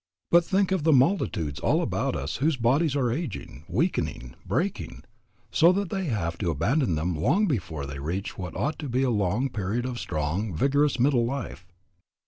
But think of the multitudes all about us whose bodies are aging, weakening, breaking, so that they have to abandon them long before they reach what ought to be a long period of strong, vigorous middle life.